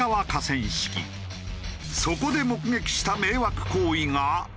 そこで目撃した迷惑行為が。